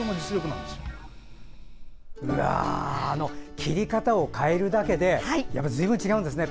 切り方を変えるだけでずいぶん違うんですね。